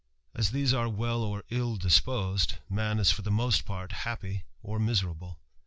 As these arc wcl! or ill disposed, man is for the roost part happy or miserable.